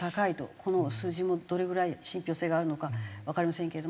この数字もどれぐらい信憑性があるのかわかりませんけれども。